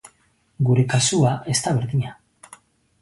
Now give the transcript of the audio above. Gure kasua ez da berdina.